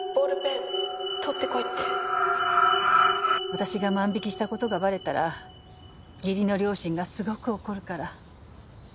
私が万引きした事がバレたら義理の両親がすごく怒るから。